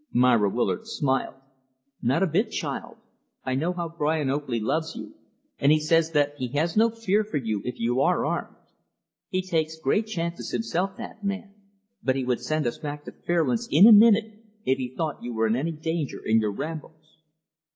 Myra Willard smiled. "Not a bit, child. I know how Brian Oakley loves you, and he says that he has no fear for you if you are armed. He takes great chances himself, that man, but he would send us back to Fairlands, in a minute, if he thought you were in any danger in your rambles."